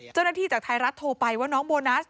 เจ้าหน้าที่จากไทยรัฐโทรไปว่าน้องโบนัส